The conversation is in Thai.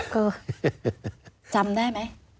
เกิ๊จำได้ไหม